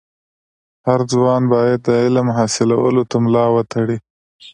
هر ځوان باید د علم حاصلولو ته ملا و تړي.